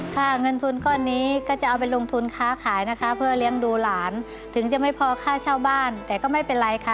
เงินทุนก้อนนี้ก็จะเอาไปลงทุนค้าขายนะคะเพื่อเลี้ยงดูหลานถึงจะไม่พอค่าเช่าบ้านแต่ก็ไม่เป็นไรค่ะ